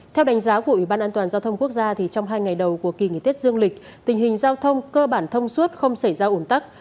theo đánh giá của ủy ban an toàn giao thông quốc gia trong hai ngày đầu của kỳ nghỉ tết dương lịch tình hình giao thông cơ bản thông suốt không xảy ra ổn tắc